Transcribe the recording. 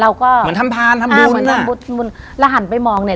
เราก็เหมือนทำพานทำบุญเหมือนทำบุญแล้วหันไปมองเนี่ย